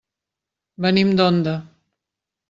Venim d'Onda.